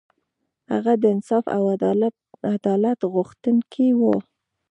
هغه د انصاف او عدالت غوښتونکی و.